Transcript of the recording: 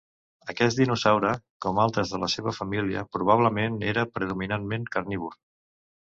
Aquest dinosaure, com altres de la seva família, probablement era predominantment carnívor.